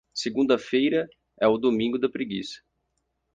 Segunda-feira é o domingo da preguiça.